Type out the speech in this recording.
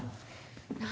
何？